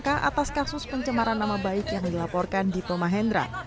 tidak ada yang berangka atas kasus pencemaran nama baik yang dilaporkan di tomahendra